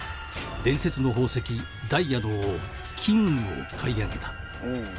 「伝説の宝石ダイヤの王「ＫＩＮＧ」を買い上げた」